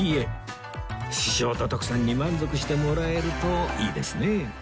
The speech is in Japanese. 師匠と徳さんに満足してもらえるといいですね